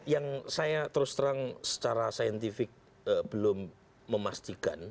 yang saya terus terang secara saintifik belum memastikan